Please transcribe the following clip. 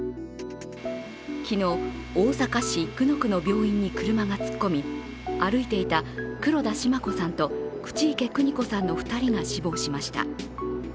昨日、大阪市生野区の病院に車が突っ込み歩いていた黒田シマ子さんと口池邦子さんさんの２人が死亡しました。